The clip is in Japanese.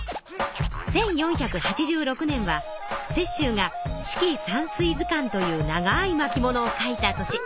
１４８６年は雪舟が「四季山水図巻」という長い巻物を描いた年。